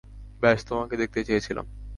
ব্যস তোমাকে দেখতে চেয়েছিলাম।